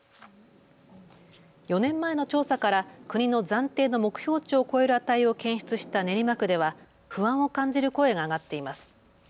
４年前の調査から国の暫定の目標値を超える値を検出した練馬区では不安を感じる声が上がっています。